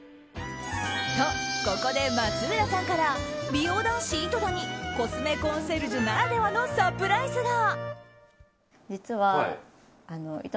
と、ここで松浦さんから美容男子、井戸田にコスメコンシェルジュならではのサプライズが。